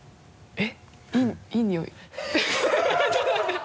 えっ！